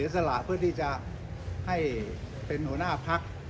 เสียสละเพื่อที่จะได้เป็นหัวหน้าภักษ์